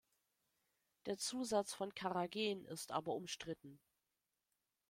Der Zusatz von Carrageen ist aber umstritten.